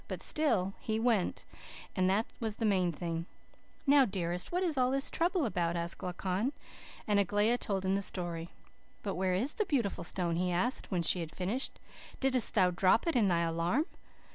But still he WENT, and that was the main thing. "'Now, dearest, what is all this trouble about?' asked Glaucon; and Aglaia told him the story. "'But where is the beautiful stone?' he asked, when she had finished. 'Didst thou drop it in thy alarm?